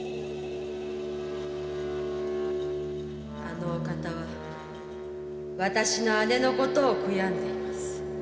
あのお方は私の姉のことを悔やんでいます。